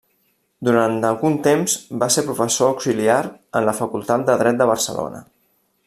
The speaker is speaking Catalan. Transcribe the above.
Durant algun temps va ser professor auxiliar en la Facultat de Dret de Barcelona.